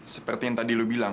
sekarang kidney tujuan